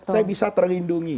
saya bisa terlindungi